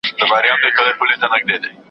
زه بايد اوبه پاک کړم،